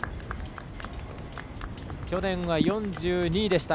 去年は４２位でした。